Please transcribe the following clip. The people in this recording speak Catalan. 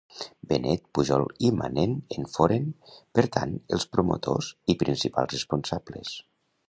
Benet, Pujol i Manent en foren, per tant, els promotors i principals responsables.